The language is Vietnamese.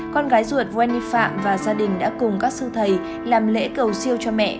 con gái ruột wenny phạm và gia đình đã cùng các sư thầy làm lễ cầu siêu cho mẹ